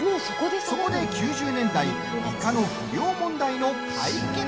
そこで９０年代イカの不漁問題の解決策に。